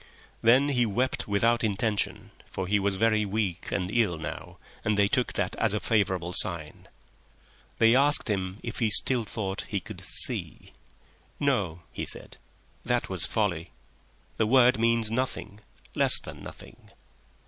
Then he wept without intention, for he was very weak and ill now, and they took that as a favourable sign. They asked him if he still thought he could "see." "No," he said. "That was folly. The word means nothing. Less than nothing!"